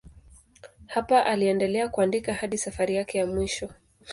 Hapa aliendelea kuandika hadi safari yake ya mwisho.